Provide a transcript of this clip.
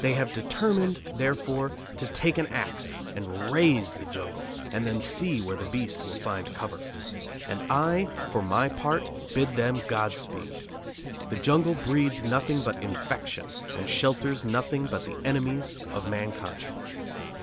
They have determined, therefore, to take an axe and raze the jungle, and then see where the beast will find cover. And I, for my part, bid them God speed. The jungle breeds nothing but infection and shelters nothing but the enemies of mankind.